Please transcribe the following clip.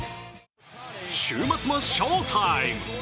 週末も翔タイム。